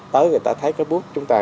tới người ta thấy cái bút chúng ta